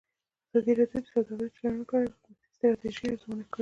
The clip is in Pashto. ازادي راډیو د سوداګریز تړونونه په اړه د حکومتي ستراتیژۍ ارزونه کړې.